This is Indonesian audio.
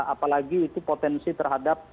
apalagi itu potensi terhadap